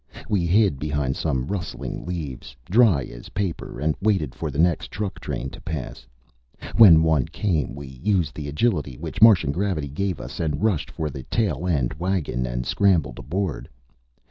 We hid behind some rustling leaves, dry as paper, and waited for the next truck train to pass. When one came, we used the agility which Martian gravity gave us and rushed for the tail end wagon and scrambled aboard.